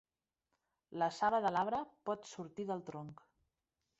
La saba de l'arbre pot sortir del tronc.